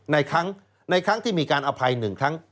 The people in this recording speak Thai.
ในครั้งที่มีการอภัย๑ครั้ง